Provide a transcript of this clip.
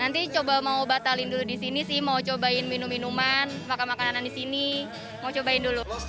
nanti coba mau batalin dulu di sini sih mau cobain minum minuman makan makanan di sini mau cobain dulu